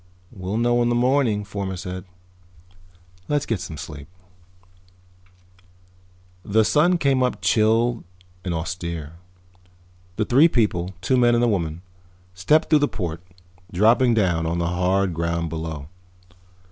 "We'll know in the morning," Fomar said. "Let's get some sleep." The sun came up chill and austere. The three people, two men and a woman, stepped through the port, dropping down on the hard ground below.